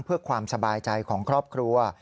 เพื่อความสบายใจของครอบครัว